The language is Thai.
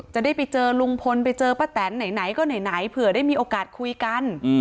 จะได้ไปเจอลุงพลไปเจอป้าแตนไหนก็ไหนเผื่อได้มีโอกาสคุยกัน